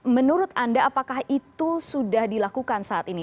menurut anda apakah itu sudah dilakukan saat ini